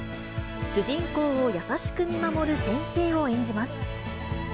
主人公を優しく見守る先生を演じます。